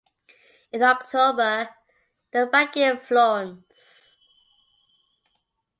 In October they were back in Florence.